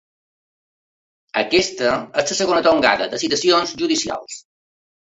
Aquesta és la segona tongada de citacions judicials.